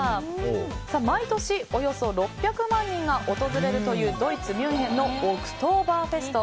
毎年およそ６００万人が訪れるというドイツ・ミュンヘンのオクトーバーフェスト。